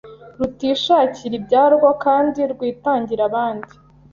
rutishakira ibyarwo kandi rwitangira abandi,